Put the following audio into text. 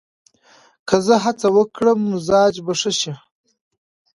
که زه هڅه وکړم، مزاج به ښه شي.